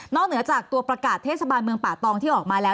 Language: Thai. เหนือจากตัวประกาศเทศบาลเมืองป่าตองที่ออกมาแล้ว